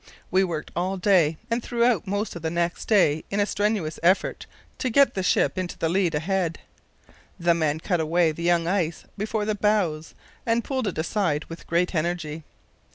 We worked all day and throughout most of the next day in a strenuous effort to get the ship into the lead ahead. The men cut away the young ice before the bows and pulled it aside with great energy.